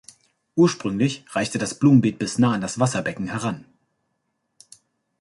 Ursprünglich reichte das Blumenbeet bis nahe an das Wasserbecken heran.